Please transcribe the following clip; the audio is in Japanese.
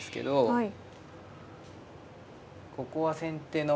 はい。